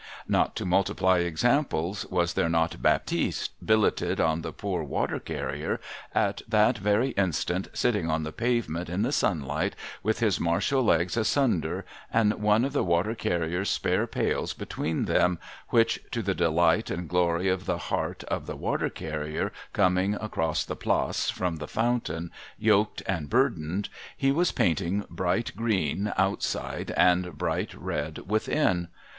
Not to multiply examples, was there not Baptiste, billeted on the poor Water carrier, at that very instant sitting on the pavement in the sunlight, with his martial legs asunder, and one of the Water carrier's spare pails between them, which (to the delight and glory of the heart of the Water carrier coming across the Place from the fountain, yoked and burdened) he was painting bright green outside and bright red within